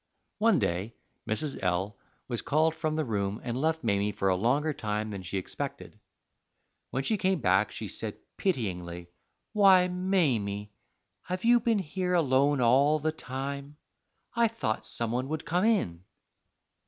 One day Mrs. L was called from the room and left Mamie for a longer time than she expected. When she came back she said pityingly: "Why, Mamie, have you been here alone all the time? I thought some one would come in."